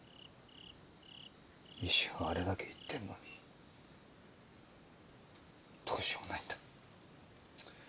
石があれだけ言ってるのにどうしようもないんだ。